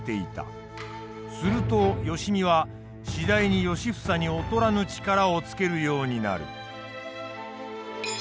すると良相は次第に良房に劣らぬ力をつけるようになる。